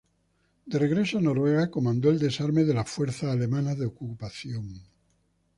De regreso a Noruega, comandó el desarme de las fuerzas alemanas de ocupación.